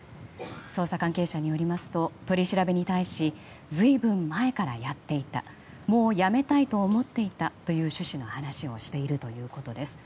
捜査関係者によりますと取り調べに対し随分前からやっていたもうやめたいと思っていたという趣旨の話をしているということです。